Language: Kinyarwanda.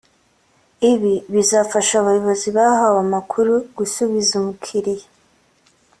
ibi bizafasha abayobozi bahawe amakuru gusubiza umukiriya